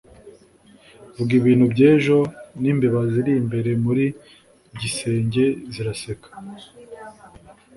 vuga ibintu by'ejo n'imbeba ziri imbere muri gisenge ziraseka